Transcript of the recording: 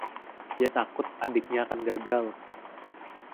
Dia takut adiknya akan gagal.